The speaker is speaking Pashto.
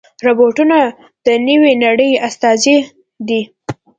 روبوټونه د نوې نړۍ استازي دي.